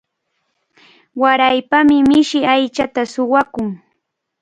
Waraypami mishi aychata suwakun.